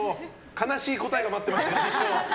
悲しい答えが待ってました。